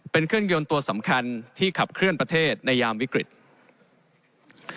เป็นเครื่องยนต์ตัวสำคัญที่ขับเคลื่อนประเทศในยามวิกฤต